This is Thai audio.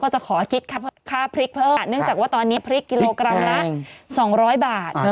จากว่าตอนนี้พริกกิโลกรัมละ๒๐๐บาท